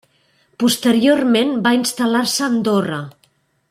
Posteriorment va instal·lar-se a Andorra.